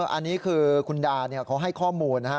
อันนี้คือคุณดาเขาให้ข้อมูลนะฮะ